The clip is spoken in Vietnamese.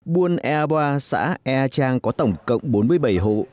buôn ea boa xã ea trang có tổng cộng bốn mươi bảy hộ